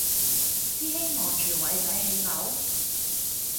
師兄望住偉仔起樓？